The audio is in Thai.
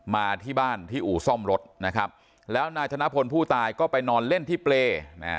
มาที่บ้านที่อู่ซ่อมรถนะครับแล้วนายธนพลผู้ตายก็ไปนอนเล่นที่เปรย์